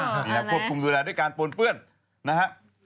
อันนี้นะครับควบคุมดูแลด้วยการปนเปื้อนนะฮะ